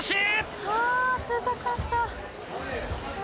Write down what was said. はぁすごかった。